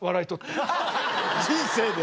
人生で？